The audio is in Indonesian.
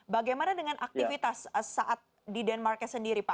bagaimana dengan aktivitas saat di denmark nya sendiri pak